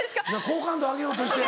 好感度上げようとして。